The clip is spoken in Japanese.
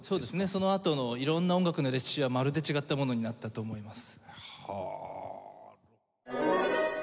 そのあとの色んな音楽の歴史はまるで違ったものになったと思います。